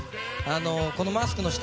このマスクの下